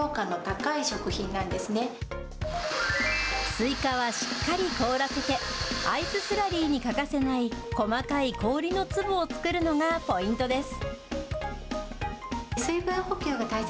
スイカはしっかり凍らせて、アイススラリーに欠かせない細かい氷の粒を作るのがポイントです。